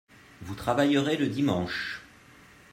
Vous travaillerez le dimanche